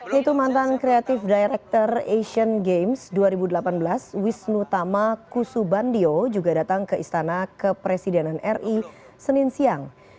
yaitu mantan creative director asian games dua ribu delapan belas wisnu tama kusubandio juga datang ke istana kepresidenan ri senin siang